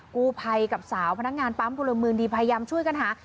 กู้ภัยกับสาวพนักงานปั๊มพลเมืองดีพยายามช่วยกันหา